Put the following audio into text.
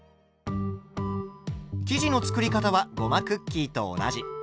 生地の作り方はごまクッキーと同じ。